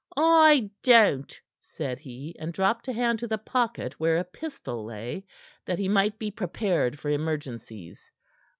"I don't," said he, and dropped a hand to the pocket where a pistol lay, that he might be prepared for emergencies.